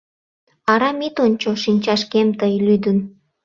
Арам ит ончо шинчашкем тый, лӱдын